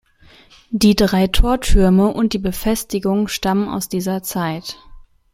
Die drei Tortürme und die Befestigung stammen aus dieser Zeit.